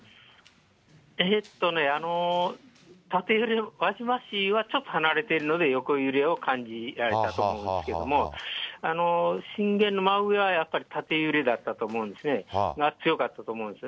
えっとね、縦揺れ、輪島市はちょっと離れてるので横揺れを感じられたと思うんですけども、震源の真上は、やっぱり縦揺れだったと思うんですね、が、強かったと思うんです。